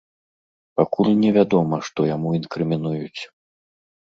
Пакуль невядома, што яму інкрымінуюць.